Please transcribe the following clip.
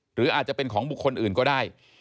หรืออาจจะเป็นของบุคคลอื่นก็ได้